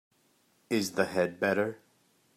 Is the head better?